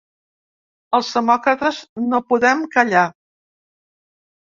Els demòcrates no podem callar.